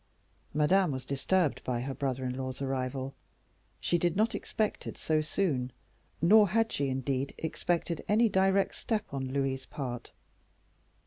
Madame was disturbed by her brother in law's arrival; she did not expect it so soon, nor had she, indeed, expected any direct step on Louis's part.